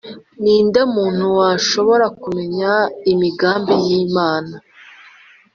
Ni nde muntu washobora kumenya imigambi y’Imana?